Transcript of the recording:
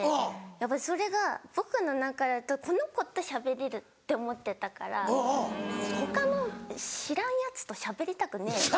やっぱりそれが僕の中だとこの子としゃべれるって思ってたから他の知らんヤツとしゃべりたくねえ！